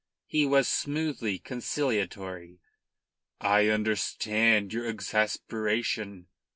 He was smoothly conciliatory. "I understand your exasperation.